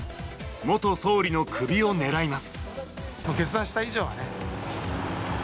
元総理の首を狙います。